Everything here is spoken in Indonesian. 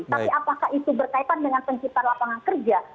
tapi apakah itu berkaitan dengan penciptaan lapangan kerja